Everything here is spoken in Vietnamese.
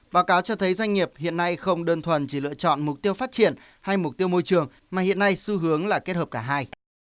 báo cáo cho thấy doanh nghiệp hiện nay không đơn thuần chỉ lựa chọn mục tiêu phát triển hay mục tiêu môi trường mà hiện nay xu hướng là kết hợp cả hai